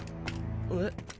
えっ？